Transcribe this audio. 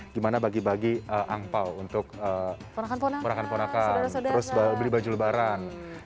gimana bagi bagi angpao untuk ponakan ponakan terus beli baju lebaran